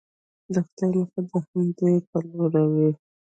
د خدای مخه د همدوی په لورې ده.